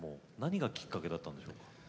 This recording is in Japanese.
何がきっかけだったんですか。